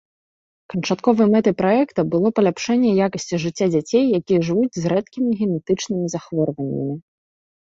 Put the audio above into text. Канчатковай мэтай праекта было паляпшэнне якасці жыцця дзяцей, якія жывуць з рэдкімі генетычнымі захворваннямі.